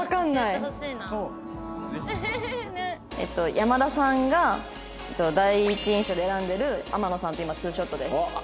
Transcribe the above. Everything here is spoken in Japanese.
山田さんが第一印象で選んでる天野さんと今ツーショットです。